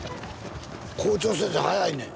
校長先生速いねん。